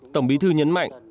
tổng bí thư nhấn mạnh